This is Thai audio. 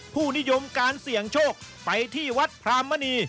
ผู้นิยมการเสี่ยงโชคไปที่วัดพรามณี